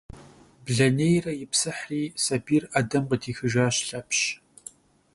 Blenêyre yipsıhri, sabiyr 'edem khıdixıjjaş Lhepş.